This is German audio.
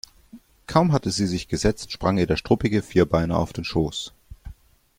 Kaum hatte sie sich gesetzt, sprang ihr der struppige Vierbeiner auf den Schoß.